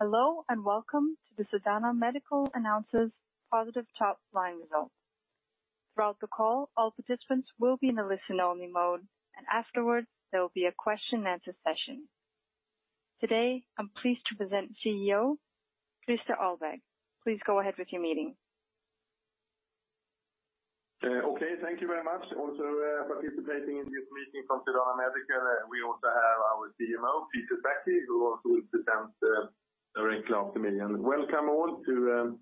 Hello, and welcome to the Sedana Medical announces positive top line results. Throughout the call, all participants will be in a listen-only mode, and afterwards, there will be a question-and-answer session. Today, I'm pleased to present CEO, Christer Ahlberg. Please go ahead with your meeting. Okay, thank you very much. Also, participating in this meeting from Sedana Medical, we also have our CMO, Peter Sackey, who also will present a very close to me, and welcome all to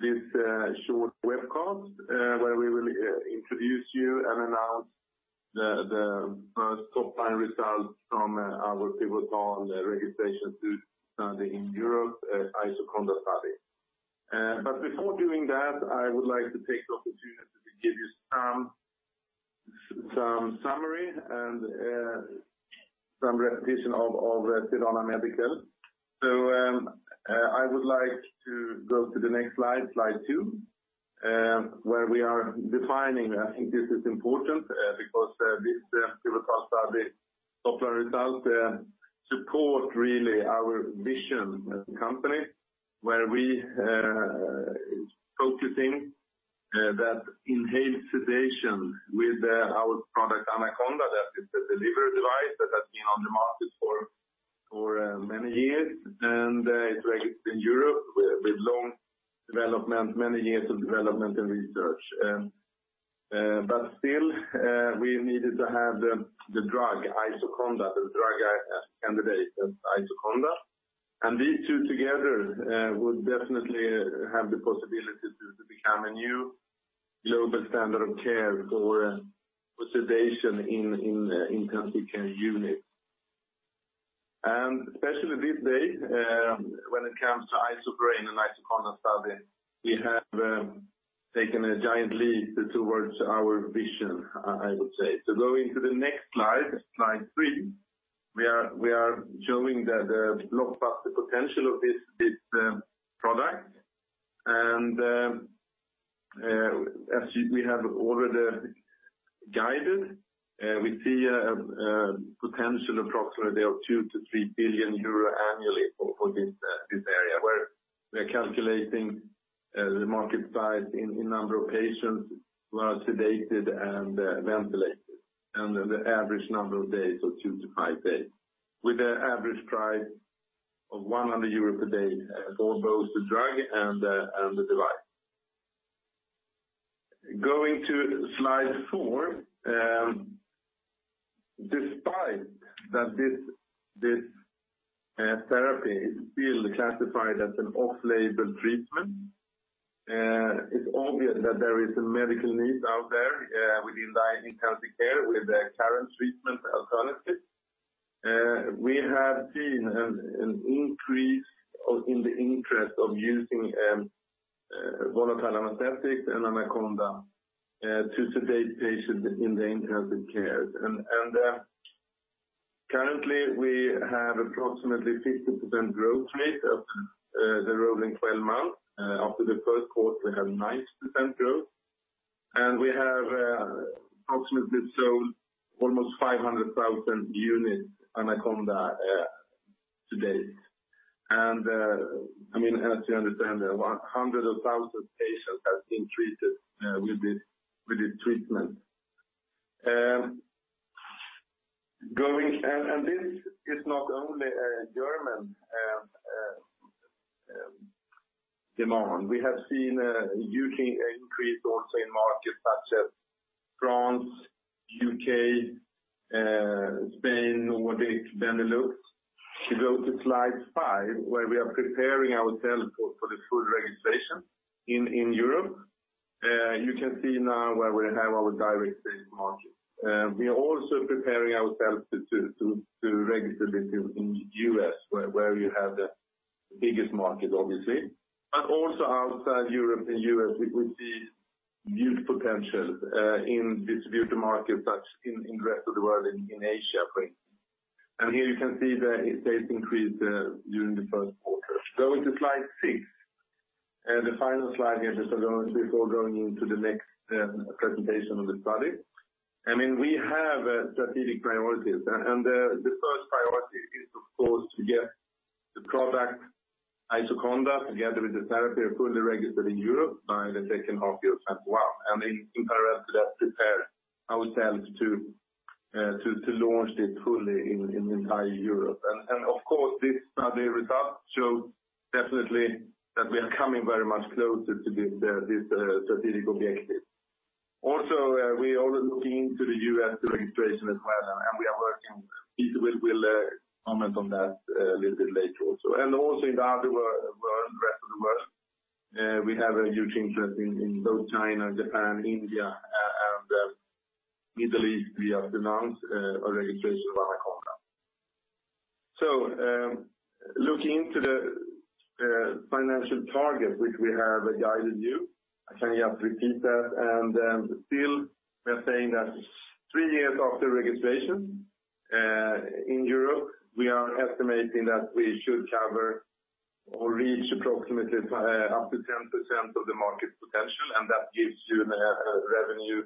this short webcast where we will introduce you and announce the first top line results from our pivotal registration study in Europe, the IsoConDa study. But before doing that, I would like to take the opportunity to give you some summary and some repetition of Sedana Medical, so I would like to go to the next slide, slide 2, where we are defining. I think this is important because this pivotal study, top line results, support really our vision as a company where we are focusing on that inhaled sedation with our product AnaConDa. That is a delivery device that has been on the market for many years, and it's registered in Europe with long development, many years of development and research. But still, we needed to have the drug IsoConDa, the drug candidate IsoConDa. And these two together would definitely have the possibility to become a new global standard of care for sedation in intensive care units. And especially this day, when it comes to isoflurane and IsoConDa study, we have taken a giant leap towards our vision, I would say. Going to the next slide, slide 3, we are showing that the blockbuster potential of this product. And as we have already guided, we see a potential approximately of 2 billion-3 billion euro annually for this area, where we are calculating the market size in number of patients who are sedated and ventilated, and the average number of days of two to five days, with an average price of 100 euros per day for both the drug and the device. Going to slide four, despite that this therapy is still classified as an off-label treatment, it's obvious that there is a medical need out there within the intensive care with the current treatment alternatives. We have seen an increase in the interest of using volatile anesthetics and AnaConDa to sedate patients in the intensive care. And currently, we have approximately 50% growth rate of the rolling 12 months. After the first quarter, we have 90% growth. And we have approximately sold almost 500,000 units of AnaConDa to date. And I mean, as you understand, hundreds of thousands of patients have been treated with this treatment. And this is not only a German demand. We have seen a huge increase also in markets such as France, the U.K., Spain, Nordics, Benelux. To go to slide 5, where we are preparing ourselves for the full registration in Europe, you can see now where we have our direct-based market. We are also preparing ourselves to register in the U.S., where you have the biggest market, obviously. But also outside Europe and the U.S., we see huge potential in distributor markets such as in the rest of the world, in Asia, for instance. And here you can see that it increased during the first quarter. Going to slide 6, the final slide here, just before going into the next presentation of the study. I mean, we have strategic priorities, and the first priority is, of course, to get the product IsoConDa together with the therapy fully registered in Europe by the second half year of 2021. And in parallel to that, prepare ourselves to launch this fully in the entire Europe. And of course, this study result shows definitely that we are coming very much closer to this strategic objective. Also, we are already looking into the U.S. registration as well, and we are working with. We'll comment on that a little bit later also. And also in the other world, the rest of the world, we have a huge interest in both China, Japan, India, and the Middle East. We have announced a registration of AnaConDa. Looking into the financial targets which we have guided you, I can just repeat that. And still, we are saying that three years after registration in Europe, we are estimating that we should cover or reach approximately up to 10% of the market potential. And that gives you a revenue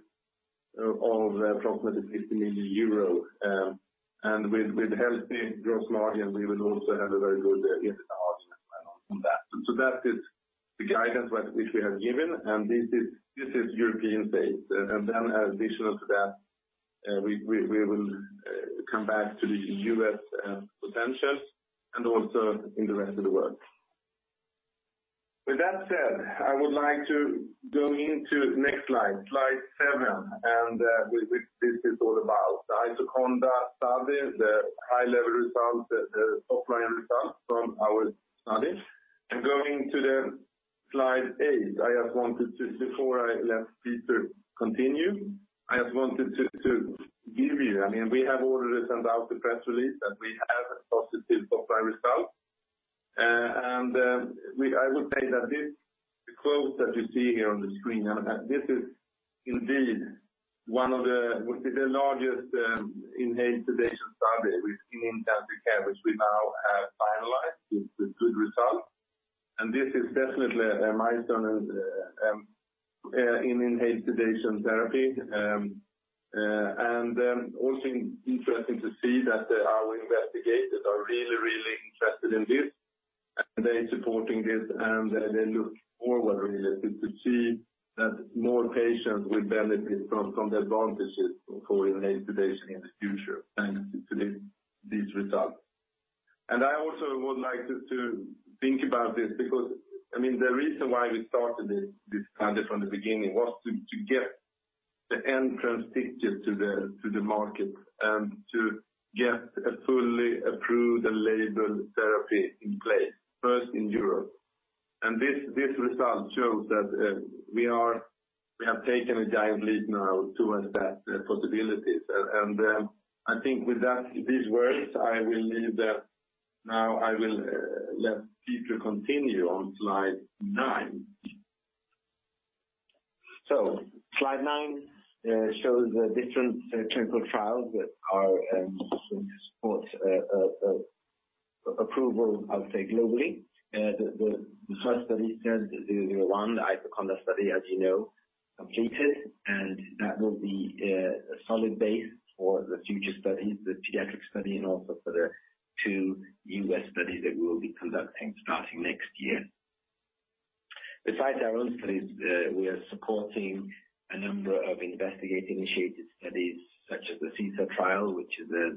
of approximately 50 million euro. And with healthy gross margin, we will also have a very good internal margin on that. So that is the guidance which we have given. And this is European-based. And then additional to that, we will come back to the U.S. potential and also in the rest of the world. With that said, I would like to go into next slide, slide 7, and this is all about the IsoConDa study, the high-level results, the top line results from our study. Going to slide 8, I just wanted to, before I let Peter continue, I just wanted to give you, I mean, we have already sent out the press release that we have a positive top line result. I would say that this quote that you see here on the screen, this is indeed one of the largest inhaled sedation studies in intensive care which we now have finalized with good results. This is definitely a milestone in inhaled sedation therapy. Also interesting to see that our investigators are really, really interested in this, and they're supporting this, and they look forward really to see that more patients will benefit from the advantages for inhaled sedation in the future thanks to these results. And I also would like to think about this because, I mean, the reason why we started this study from the beginning was to get the entrance ticket to the market and to get a fully approved and labeled therapy in place, first in Europe. And this result shows that we have taken a giant leap now towards that possibility. And I think with these words, I will leave that now. I will let Peter continue on slide nine. So slide 9 shows the different clinical trials that are in support of approval, I would say, globally. The first study is one, the IsoConDa study, as you know, completed. And that will be a solid base for the future studies, the pediatric study, and also for the two U.S. studies that we will be conducting starting next year. Besides our own studies, we are supporting a number of investigator-initiated studies such as the SESAR trial, which is a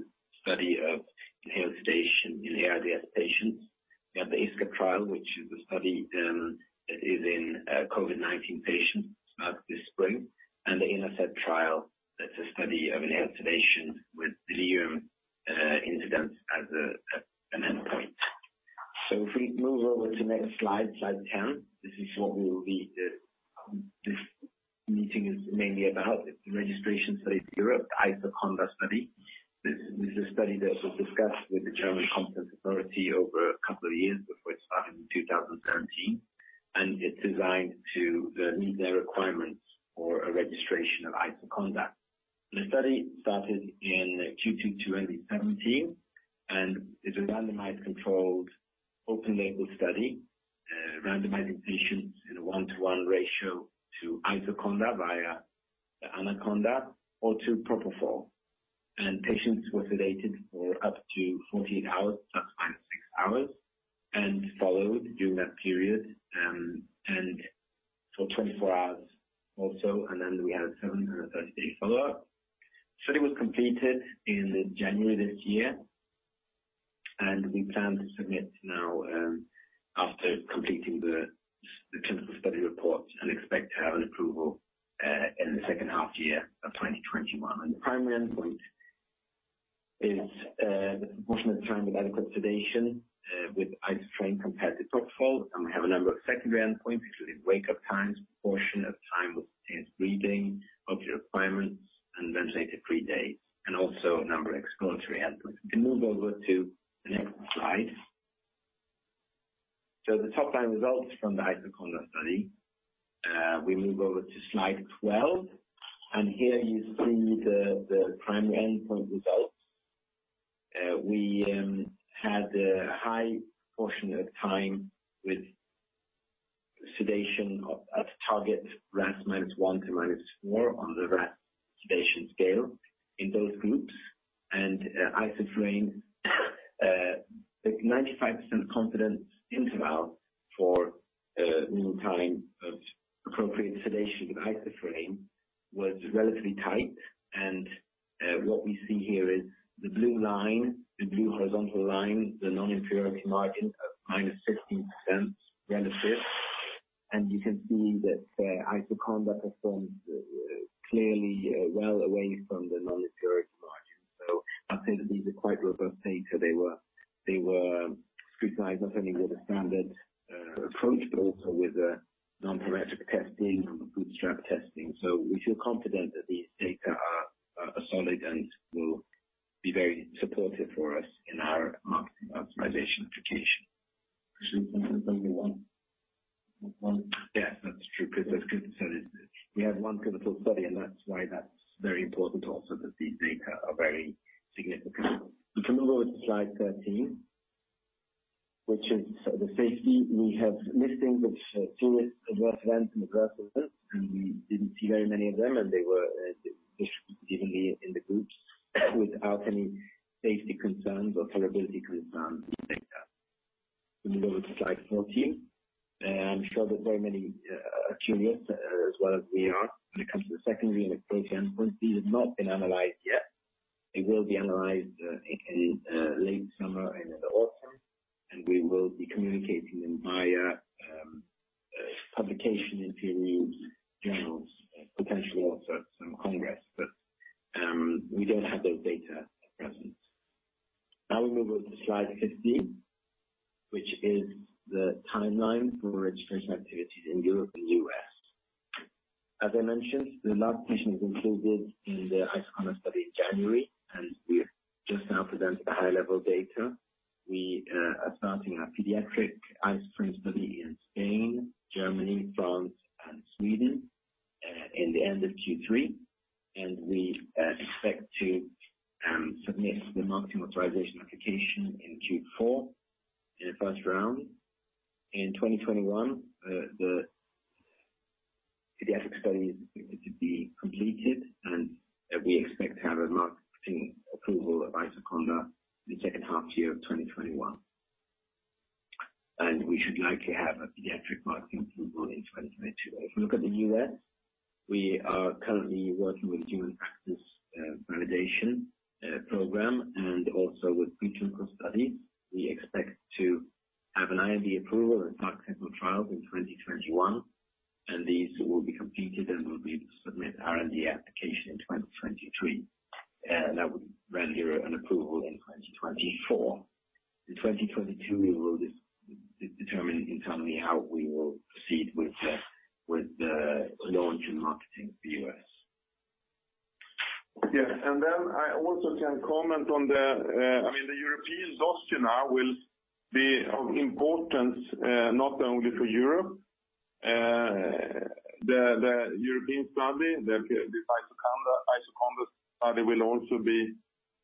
study of inhaled sedation in ARDS patients. We have the ISOC trial, which is a study that is in COVID-19 patients starting this spring, and the INASED trial, that's a study of inhaled sedation with delirium incidence as an endpoint. So if we move over to the next slide, slide 10, this is what this meeting is mainly about. It's the registration study in Europe, the IsoConDa study. This is a study that was discussed with the German Competent Authority over a couple of years before it started in 2017, and it's designed to meet their requirements for a registration of IsoConDa. The study started in Q2 2017, and it's a randomized controlled open-label study, randomizing patients in a one-to-one ratio to IsoConDa via AnaConDa or to propofol. Patients were sedated for up to 48 hours, plus minus 6 hours, and followed during that period and for 24 hours also. Then we had a 7 and a 30-day follow-up. The study was completed in January this year. We plan to submit now after completing the clinical study reports and expect to have an approval in the second half year of 2021. The primary endpoint is the proportion of time with adequate sedation with IsoConDa compared to propofol. We have a number of secondary endpoints, including wake-up times, proportion of time with inhaled breathing, opioid requirements, and ventilated-free days, and also a number of exploratory endpoints. We can move over to the next slide. The top line results from the IsoConDa study. We move over to slide 12. Here you see the primary endpoint results. We had a high proportion of time with sedation at target RASS -1 to -4 on the RASS sedation scale in those groups. And isoflurane 95% confidence interval for mean time of appropriate sedation with isoflurane was relatively tight. And what we see here is the blue line, the blue horizontal line, the non-inferiority margin of -15% relative. And you can see that IsoConDa performed clearly well away from the non-inferiority margin. So I'd say that these are quite robust data. They were scrutinized not only with a standard approach, but also with non-parametric testing and bootstrap testing. So we feel confident that these data are solid and will be very supportive for us in our Marketing Authorization Application. Yes, that's true. That's good to say. We have one clinical study, and that's why that's very important also that these data are very significant. We can move over to slide 13, which is the safety. We have listings of serious adverse events and adverse events, and we didn't see very many of them, and they were distributed evenly in the groups without any safety concerns or probability concerns in data. We move over to slide 14. I'm sure that very many are curious as well as we are when it comes to the secondary and the quality endpoints. These have not been analyzed yet. They will be analyzed in late summer and in the autumn, and we will be communicating them via publication interviews, journals, potentially also some congress, but we don't have those data at present. Now we move over to slide 15, which is the timeline for registration activities in Europe and the U.S. As I mentioned, the last patient was included in the IsoConDa study in January. And we have just now presented the high-level data. We are starting our pediatric IsoConDa study in Spain, Germany, France, and Sweden in the end of Q3, and we expect to submit the marketing authorization application in Q4 in the first round. In 2021, the pediatric study is expected to be completed, and we expect to have a marketing approval of IsoConDa in the second half year of 2021, and we should likely have a pediatric marketing approval in 2022. If we look at the U.S., we are currently working with human factors validation program and also with pre-clinical studies. We expect to have an IND approval and start clinical trials in 2021, and these will be completed and we'll be able to submit our NDA application in 2023, and that would render an approval in 2024. In 2022, we will determine internally how we will proceed with launch and marketing in the U.S. Yeah. And then I also can comment on the, I mean, the European dossier now will be of importance not only for Europe. The European study, the IsoConDa study, will also be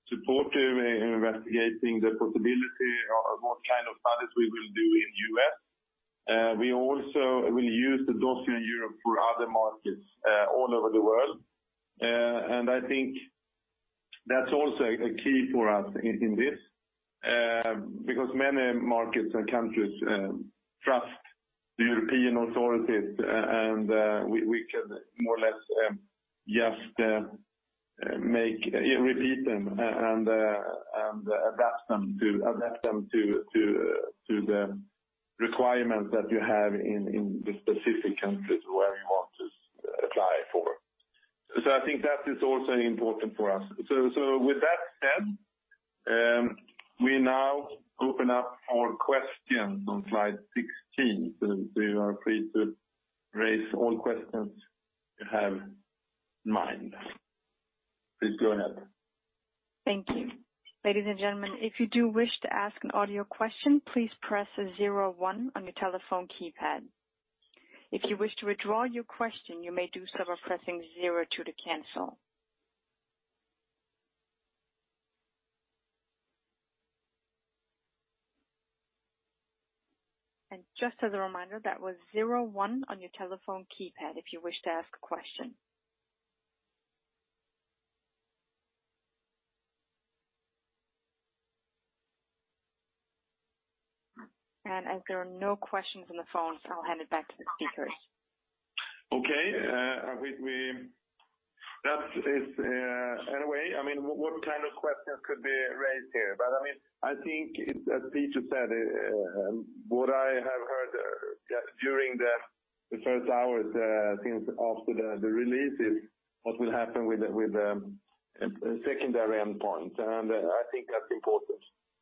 supportive in investigating the possibility of what kind of studies we will do in the U.S. We also will use the dossier in Europe for other markets all over the world. I think that's also a key for us in this because many markets and countries trust the European authorities. And we can more or less just repeat them and adapt them to the requirements that you have in the specific countries where you want to apply for. I think that is also important for us. With that said, we now open up for questions on slide 16. So you are free to raise all questions you have in mind. Please go ahead. Thank you. Ladies and gentlemen, if you do wish to ask an audio question, please press 01 on your telephone keypad. If you wish to withdraw your question, you may do so by pressing 02 to cancel. And just as a reminder, that was 01 on your telephone keypad if you wish to ask a question. And as there are no questions on the phones, I'll hand it back to the speakers. Okay. That is, in a way, I mean, what kind of questions could be raised here? But I mean, I think, as Peter said, what I have heard during the first hours after the release is what will happen with the secondary endpoints. I think that's important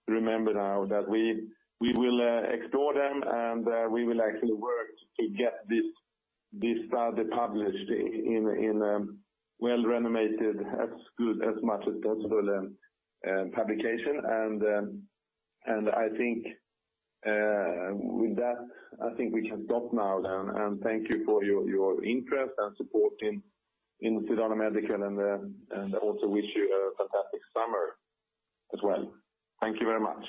to remember now that we will explore them and we will actually work to get this study published in a well-renowned, as good as much as possible publication. I think with that, I think we can stop now. Thank you for your interest and support in Sedana Medical. I also wish you a fantastic summer as well. Thank you very much.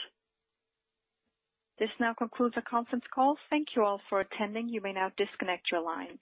This now concludes our conference call. Thank you all for attending. You may now disconnect your lines.